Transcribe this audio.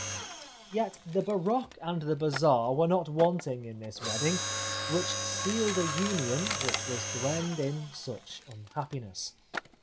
Yet the baroque and the bizarre were not wanting in this wedding which sealed a union which was to end in such unhappiness.